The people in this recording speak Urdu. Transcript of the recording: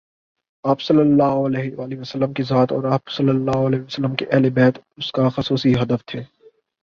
آپﷺ کی ذات اور آپ کے اہل بیت اس کاخصوصی ہدف تھے۔